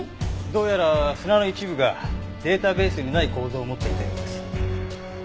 どうやら砂の一部がデータベースにない構造を持っていたようです。